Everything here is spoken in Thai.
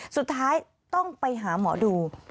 สุดท้ายต้องไปหาหมอดู